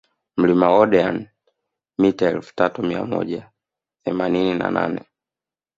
Mlima Oldeani mita elfu tatu mia moja themanini na nane